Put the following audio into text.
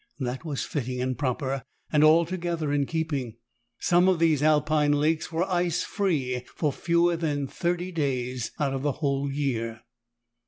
That was fitting and proper and altogether in keeping. Some of these Alpine lakes were ice free for fewer than thirty days out of the whole year.